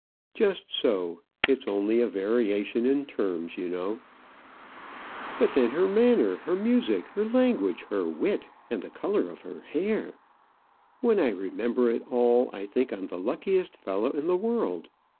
"Just so. It's only a variation in terms, you know." "But then her manner, her music, her language, her wit, and the colour of her hair! When I remember it all, I think I'm the luckiest fellow in the world.